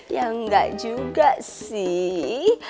ya enggak juga sih